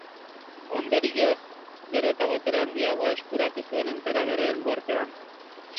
Ondorioz, gero eta botere handiagoa eskuratu zuen enperadoreen gortean.